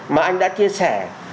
mà anh đã chia sẻ